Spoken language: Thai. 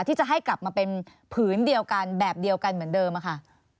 ที่จะให้กลับมาเป็นผืนเดียวกันแบบเดียวกันเหมือนเดิมค่ะ